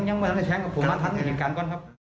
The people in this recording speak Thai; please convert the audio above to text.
ยังไม่ได้แทงครับผมมันทั้งอย่างกันครับ